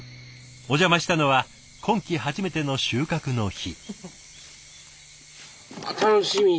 お邪魔したのは今季初めての収穫の日。